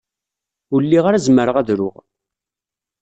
Ur lliɣ ara zemreɣ ad ruɣ.